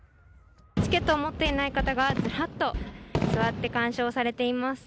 チケットを持っていない方がずらっと座って鑑賞されています。